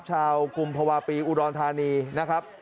ชาวกุมภวาปีอุดรณฑานีนะครับ